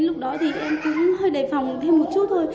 lúc đó thì em cũng hơi đề phòng thêm một chút thôi